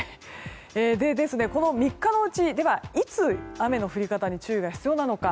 この３日のうちいつ雨の降り方に注意が必要なのか。